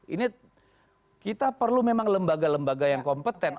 ini kita perlu memang lembaga lembaga yang kompeten